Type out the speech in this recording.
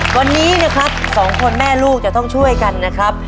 วันนี้นะครับสองคนแม่ลูกจะต้องช่วยกันนะครับ